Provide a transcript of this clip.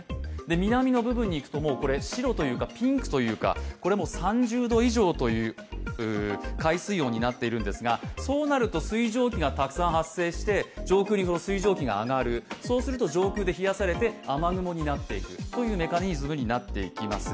南の部分に行くと白というか、ピンクというか３０度以上という海水温になってるんですがそうなると水蒸気がたくさん発生して上空に水蒸気が上がる、そうすると上空で冷やされて、雨雲になっていくというメカニズムになっていきます。